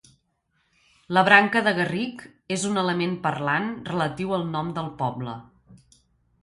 La branca de garric és un element parlant relatiu al nom del poble.